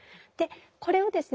これをですね